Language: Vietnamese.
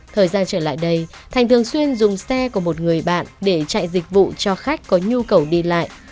thời gian trở lại đây thành thường xuyên dùng xe của một người bạn để chạy dịch vụ cho khách có nhu cầu đi lại